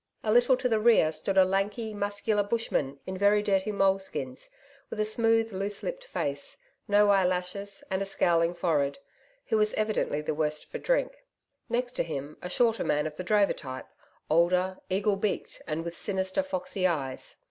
A little to the rear stood a lanky, muscular bushman in very dirty moleskins, with a smooth loose lipped face, no eyelashes, and a scowling forehead, who was evidently the worse for drink; next to him, a shorter man of the drover type, older, eagle beaked and with sinister, foxy eyes.